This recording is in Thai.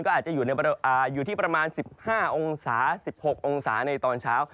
ก็อาจจะอยู่ที่ประมาณ๑๕องศา๑๖องศาในตอนเช้า